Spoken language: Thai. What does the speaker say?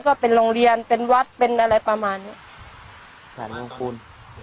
ก็เป็นโรงเรียนเป็นวัดเป็นอะไรประมาณนี้